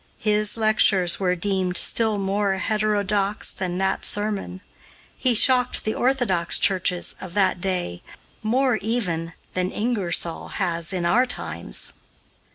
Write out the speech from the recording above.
His lectures were deemed still more heterodox than that sermon. He shocked the orthodox churches of that day more, even, than Ingersoll has in our times.